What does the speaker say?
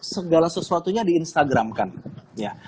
segala sesuatunya di instagramkan ya